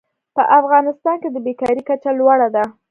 په افغانستان کې د بېکارۍ کچه لوړه ده.